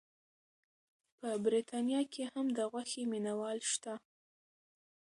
په بریتانیا کې هم د غوښې مینه وال شته.